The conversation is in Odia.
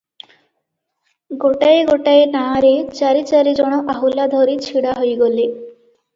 ଗୋଟାଏ ଗୋଟାଏ ନାଆରେ ଚାରି ଚାରି ଜଣ ଆହୁଲା ଧରି ଛିଡା ହୋଇଗଲେ ।